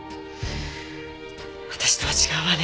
私とは違うわね。